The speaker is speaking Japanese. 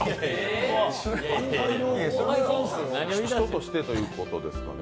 人としてということですかね？